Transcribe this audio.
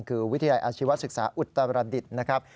คือวิทยาลัยอาชีวศึกษาอุตรดิษฐ์นะครับ